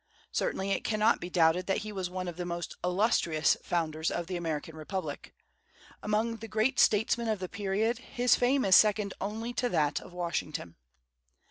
Certainly it cannot be doubted that he was one of the most illustrious founders of the American Republic. Among the great statesmen of the period, his fame is second only to that of Washington.